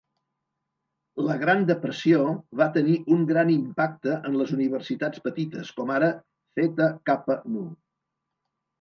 La Gran Depressió va tenir un gran impacte en les universitats petites com ara Theta Kappa Nu.